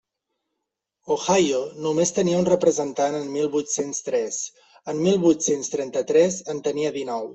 Ohio només tenia un representant en mil vuit-cents tres; en mil vuit-cents trenta-tres en tenia dinou.